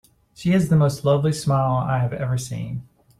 She has the most lovely smile I have ever seen.